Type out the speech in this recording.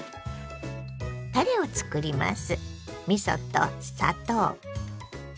たれをつくります。